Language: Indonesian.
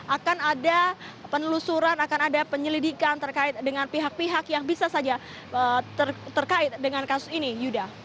akan ada penelusuran akan ada penyelidikan terkait dengan pihak pihak yang bisa saja terkait dengan kasus ini yuda